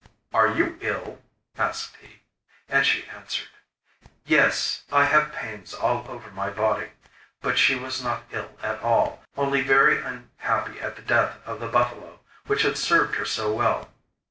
'Are you ill?' asked he. And she answered: 'Yes; I have pains all over my body.' But she was not ill at all, only very unhappy at the death of the buffalo which had served her so well.